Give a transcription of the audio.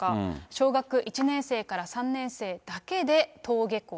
小学１年生から３年生だけで登下校。